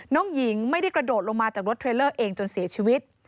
น้องหญิงไม่ได้กระโดดลงมาจากรถเทรลเลอร์เองจนเสียชีวิต